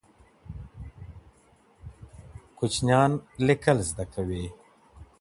ماشوم لیکل زده کوي.